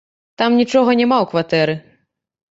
Там нічога няма ў кватэры!